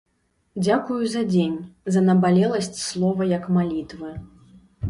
Дзякую за дзень, за набалеласць слова як малітвы.